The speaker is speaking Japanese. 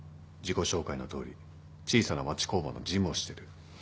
自己紹介のとおり小さな町工場の事務をしてる。